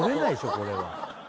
これは。